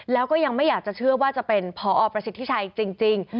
แล้วก็ยังไม่อยากจะเชื่อว่าจะเป็นพอประสิทธิชัยจริง